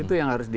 itu yang terjadi